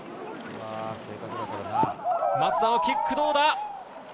松田のキック、どうだ。